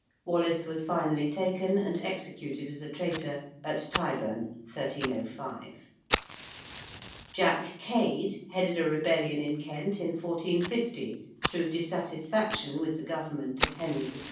Wallace was finally taken and executed as a traitor at Tyburn, 1305. ~Jack Cade~ headed a rebellion in Kent in 1450 through dissatisfaction with the government of Henry VI.